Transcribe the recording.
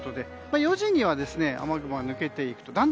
４時には雨雲は抜けていくと。